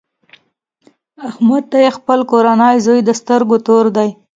احمد ته یې خپل کوچنۍ زوی د سترګو تور دی.